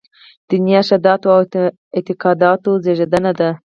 دیني ارشاداتو او اعتقاد زېږنده دي.